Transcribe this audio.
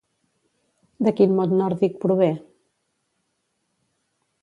De quin mot nòrdic prové?